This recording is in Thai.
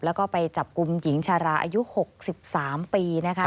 แล้วก็ไปจับกลุ่มหญิงชาราอายุ๖๓ปีนะคะ